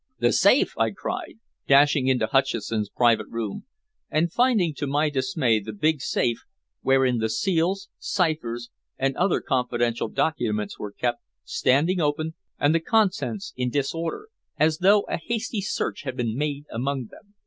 "The safe!" I cried, dashing into Hutcheson's private room, and finding to my dismay the big safe, wherein the seals, ciphers and other confidential documents were kept, standing open, and the contents in disorder, as though a hasty search had been made among them.